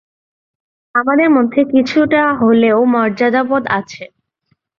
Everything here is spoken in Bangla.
আমাদের মধ্যে কিছুটা হলেও মর্যাদাবোধ আছে।